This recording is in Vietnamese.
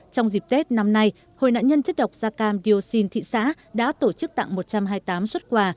trong dịp tết năm nay hội nạn nhân chất độc da cam dioxin thị xã đã tổ chức tặng một trăm hai mươi tám xuất quà